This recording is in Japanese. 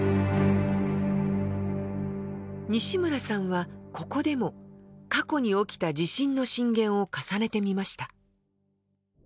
西村さんはここでも過去に起きた地震の震源を重ねてみました。